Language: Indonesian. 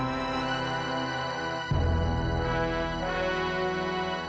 aku bahkan benar benar